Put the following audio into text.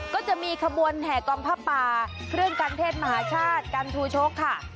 ก็จะมีขบวนแห่กองผ้าป่าเครื่องการเทศมหาชาติกันทูชกค่ะ